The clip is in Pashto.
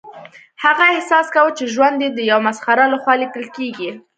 هغه احساس کاوه چې ژوند یې د یو مسخره لخوا لیکل کیږي